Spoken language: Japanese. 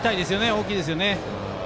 大きいですよね。